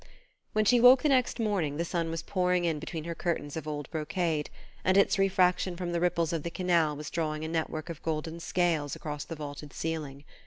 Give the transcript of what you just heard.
When she woke the next morning the sun was pouring in between her curtains of old brocade, and its refraction from the ripples of the Canal was drawing a network of golden scales across the vaulted ceiling.